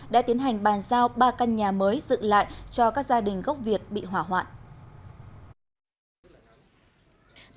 đã tiến hành bàn giao ba căn nhà mới dựng lại cho các gia đình gốc việt bị hỏa hoạn